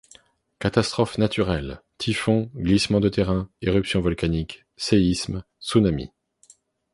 Catastrophes naturelles: typhons, glissements de terrain, éruptions volcaniques, séismes, tsunamis.